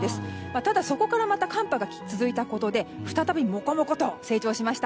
ただ、そこからまた寒波が続いたことで再び、もこもこと成長しました。